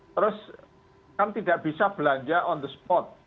terus kan tidak bisa belanja on the spot